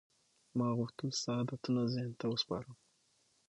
ما غوښتل ستا عادتونه ذهن ته وسپارم.